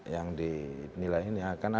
yang dinilai ini akan ada yang berharap